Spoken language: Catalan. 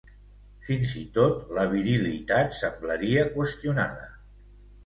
Fins i tot la virilitat semblaria qüestionada .